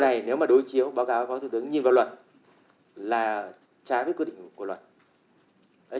cái điều này nếu mà đối chiếu báo cáo với phó thủ tướng nhìn vào luật là trái với quy định của luật